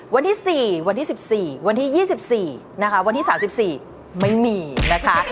วันที่๔วันที่๑๔วันที่๒๔นะคะวันที่๓๔ไม่มีนะคะ